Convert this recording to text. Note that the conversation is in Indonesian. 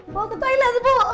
bawa ke toilet bu